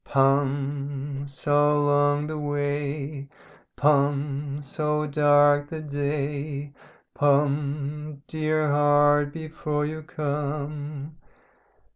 "'Pum So long the way Pum so dark the day Pum DEAR HEART! before you come.'